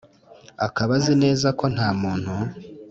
Akaba azi neza ko nta muntu